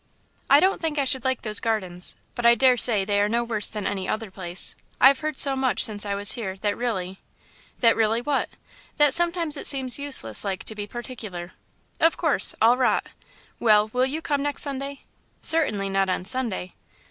"I don't think I should like those Gardens.... But I daresay they are no worse than any other place. I've heard so much since I was here, that really " "That really what?" "That sometimes it seems useless like to be particular." "Of course all rot. Well, will you come next Sunday?" "Certainly not on Sunday."